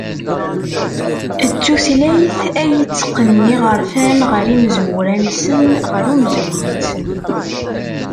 D tuylayt ay itteqqnen iɣerfan ɣer yimezwura-nsen, ɣer umezruy-nsen.